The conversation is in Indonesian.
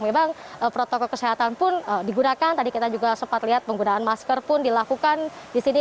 memang protokol kesehatan pun digunakan tadi kita juga sempat lihat penggunaan masker pun dilakukan di sini